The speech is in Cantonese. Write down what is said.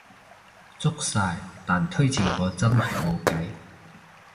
足晒，但推遲我真係無計